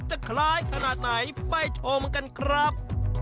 จะคล้ายขนาดไหนไปชมกันครับ